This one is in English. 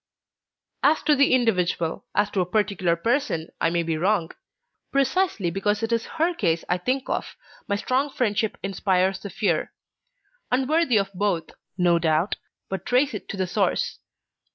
"As to the individual, as to a particular person, I may be wrong. Precisely because it is her case I think of, my strong friendship inspires the fear: unworthy of both, no doubt, but trace it to the source.